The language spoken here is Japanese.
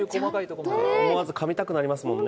思わずかみたくなりますもんね。